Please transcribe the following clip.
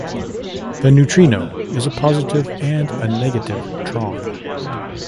The neutrino is a positive and a negative tron.